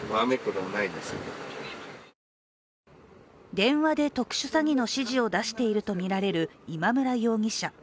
電話で特殊詐欺の指示を出しているとみられる今村容疑者。